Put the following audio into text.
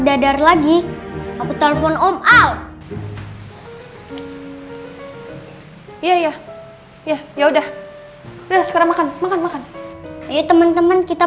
dadar lagi aku telepon om al iya ya ya ya udah udah sekarang makan makan makan teman teman kita